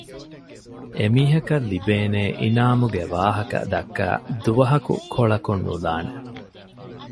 އެ މީހަކަށްލިބޭނޭ އިނާމުގެވާހަކަ ދައްކައި ދުވަހަކު ކޮޅަކުންނުލާނެ